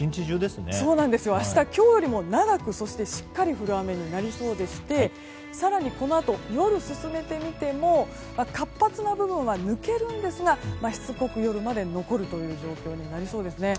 明日は今日より長くしっかり降る雨になりそうで夜に進めてみても活発な部分は抜けるんですがしつこく夜まで残るという状況になりそうです。